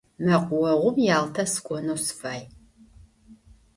Мэкъуогъум Ялтэ сыкӏонэу сыфай.